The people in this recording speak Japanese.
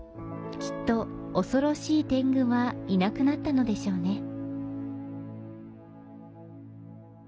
きっと恐ろしい天拘はいなくなったのでしょうね。